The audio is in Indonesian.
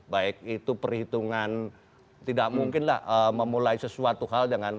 baik itu perhitungan tidak mungkinlah memulai sesuatu hal dengan